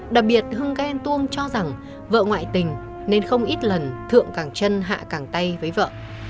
đặc biệt hưng ghen tuông cho rằng vợ ngoại tình nên không ít lần thượng càng chân hạ càng tay với vợ